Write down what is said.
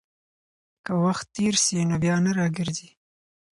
که وخت تېر سي، نو بيا نه راګرځي.